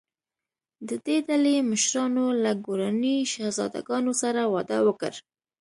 د دې ډلې مشرانو له ګوراني شهزادګانو سره واده وکړ.